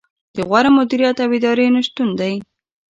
د غوره مدیریت او ادارې نه شتون دی.